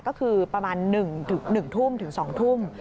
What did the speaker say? ก็คือประมาณ๑๒ทุ่ม